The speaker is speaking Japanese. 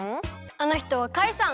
あのひとはカイさん。